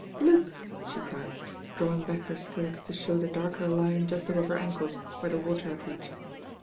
"Look I" she cried, drawing back her skirts to show the darker line just above her ankles where the water had reached.